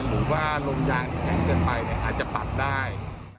หรือว่าลมยางที่แข็งเกินไปอาจจะปัดได้